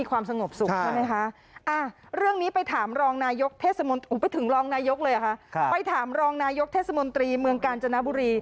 ขนทรงของทางทริสบาน